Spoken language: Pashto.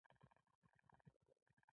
پېغلو او ځوانانو دا په سر او سترګو منلی دی.